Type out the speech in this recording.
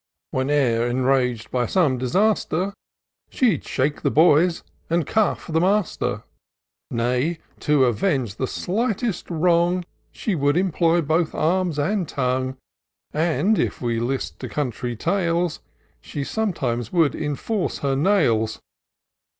Whene'er enrag'd by some disaster^ She'd shake the boys and cuff the master ; Nay, to avenge the slightest wrong, She could employ both arms and tongue ; And, if we list to coimtry tales. She sometimes would enforce her nails.